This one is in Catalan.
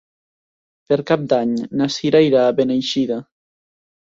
Per Cap d'Any na Cira irà a Beneixida.